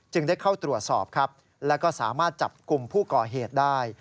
ได้เข้าตรวจสอบครับแล้วก็สามารถจับกลุ่มผู้ก่อเหตุได้